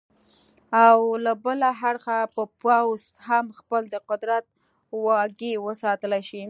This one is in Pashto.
او له بله اړخه به پوځ هم خپل د قدرت واګې وساتلې شي.